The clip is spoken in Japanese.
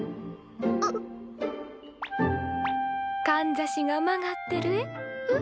かんざしが曲がってるえ。